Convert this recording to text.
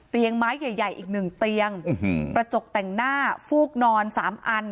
เตียงไม้ใหญ่ใหญ่อีกหนึ่งเตียงอื้อหือประจกแต่งหน้าฟูกนอนสามอัน